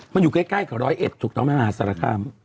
มันอยู่ใกล้กับร้อยเอ็ดถูกต้องไหมมหาสารคาม